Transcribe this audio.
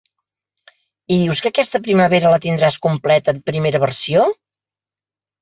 I dius que aquesta primavera la tindràs completa en primera versió?